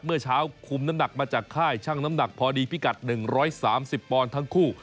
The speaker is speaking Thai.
เมื่อเช้าคุมน้ำหนักมาจากค่ายช่างน้ำหนักพอดีพิกัด๑๓๐ปอนด์ทั้งคู่